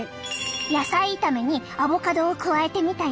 野菜炒めにアボカドを加えてみたよ！